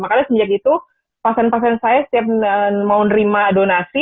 makanya sejak itu pasien pasien saya setiap mau nerima donasi